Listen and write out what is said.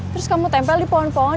terus kamu tempel di pohon pohon